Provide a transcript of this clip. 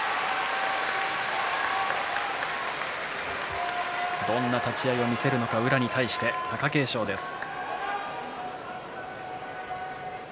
拍手どんな立ち合いを見せるのか、宇良に対して貴景勝です。